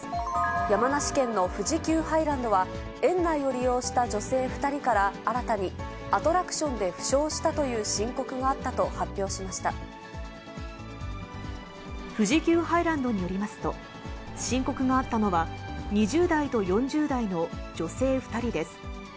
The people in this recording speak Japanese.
山梨県の富士急ハイランドは、園内を利用した女性２人から新たにアトラクションで負傷したとい富士急ハイランドによりますと、申告があったのは、２０代と４０代の女性２人です。